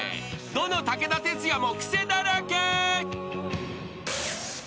［どの武田鉄矢もクセだらけ］